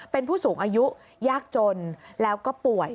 เป็นผู้สูงอายุยากจนแล้วก็ป่วย